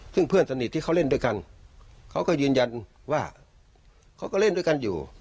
ซึ่งเพื่อนสนิทที่เขาเล่นด้วยกันเขาก็ยืนยันว่าเขาก็เล่นด้วยกันอยู่